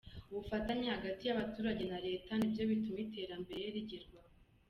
Ubufatanye hagati y’abaturage na Leta nibyo bituma iterambere rigerwaho.